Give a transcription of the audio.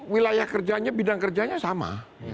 wilayah kerjanya bidang kerjanya sama